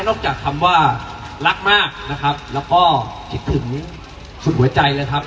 จากคำว่ารักมากนะครับแล้วก็คิดถึงสุดหัวใจเลยครับ